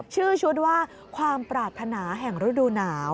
ชื่อชุดว่าความปรารถนาแห่งฤดูหนาว